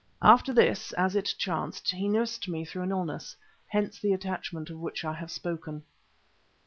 After this, as it chanced, he nursed me through an illness. Hence the attachment of which I have spoken.